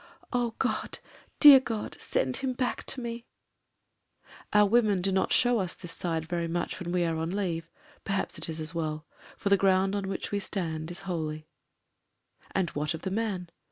"O God ! dear God ! send him back to me/' Our women do not show us this side very much when we are on leave ; perhaps it is as well, for the ground on which we stand is holy. ...••••• And what of the man?